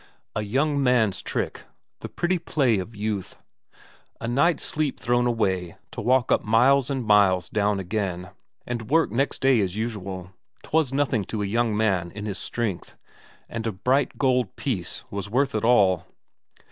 A young man's trick, the pretty play of youth! A night's sleep thrown away, to walk miles up and miles down again, and work next day as usual 'twas nothing to a young man in his strength, and a bright gold piece was worth it all.